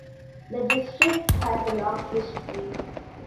The district has a long history.